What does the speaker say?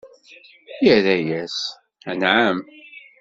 Irra-yas: Anɛam!